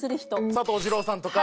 佐藤二朗さんとか。